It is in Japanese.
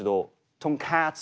とんかつ。